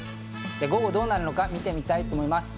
午後はどうなるのか見てみたいと思います。